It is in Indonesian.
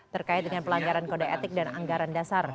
terkait dengan pelanggaran kode etik dan anggaran dasar